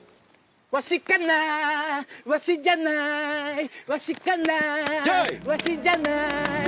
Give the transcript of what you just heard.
わしかなわしじゃないわしかなわしじゃない